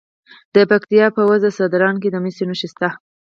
د پکتیا په وزه ځدراڼ کې د مسو نښې شته.